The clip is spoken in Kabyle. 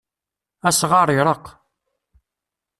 Asɣar ireqq.